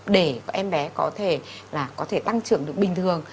để em bé có thể tăng trưởng được bình thường